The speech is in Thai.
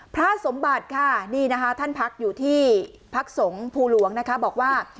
พระสมบัติค่ะนี่นะคะท่านพักอยู่ที่พักสงภูหลวงนะคะบอกว่า